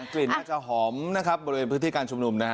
กลิ่นน่าจะหอมนะครับบริเวณพื้นที่การชุมนุมนะฮะ